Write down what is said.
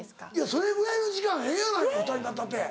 それぐらいの時間ええやないか２人になったって。